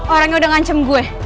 orangnya udah ngancem gue